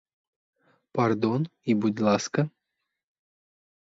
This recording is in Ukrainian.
Пардон, і будь ласка!